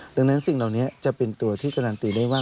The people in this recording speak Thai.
ดังนั้นสิ่งเหล่านี้จะเป็นตัวที่การันตีได้ว่า